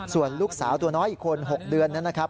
ส่วนลูกสาวตัวน้อยอีกคน๖เดือนนั้นนะครับ